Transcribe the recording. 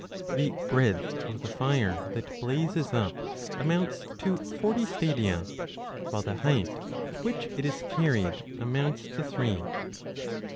The breadth of the fire that blazes up amounts to forty stadia, while the height to which it is carried amounts to three.